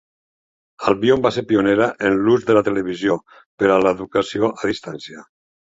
Albion va ser pionera en l'ús de la televisió per a l'educació a distància.